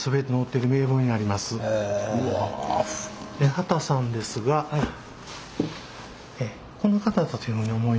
畑さんですがこの方だというふうに思います。